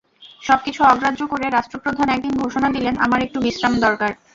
সবকিছু অগ্রাহ্য করে রাষ্ট্রপ্রধান একদিন ঘোষণা দিলেন, আমার একটু বিশ্রাম দরকার।